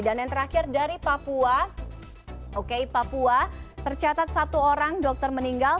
dan yang terakhir dari papua oke papua tercatat satu orang dokter meninggal